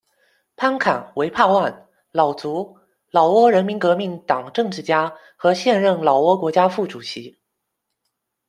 潘坎·维帕万，佬族，老挝人民革命党政治家和现任老挝国家副主席。